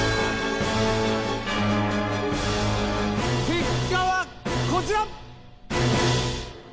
結果はこちら！